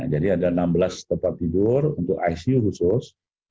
jadi ada enam belas tempat tidur untuk icu khusus